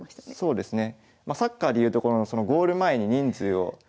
そうですね。